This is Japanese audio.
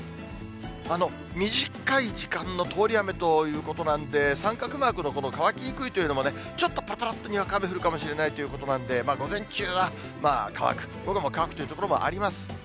短い時間の通り雨ということなんで、三角マークの乾きにくいというのもね、ちょっとぱらぱらっと、にわか雨降るかもしれないということなんで、午前中は乾く、午後も乾くという所もあります。